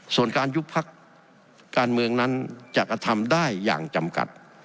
ส่วนการยุบพักการเมืองนั้นจะกระทำได้อย่างจำกัด